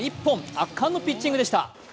圧巻のピッチングでした。